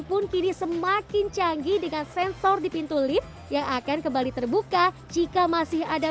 pun kini semakin canggih dengan sensor di pintu lift yang akan kembali terbuka jika masih ada